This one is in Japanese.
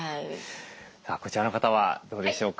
さあこちらの方はどうでしょうか。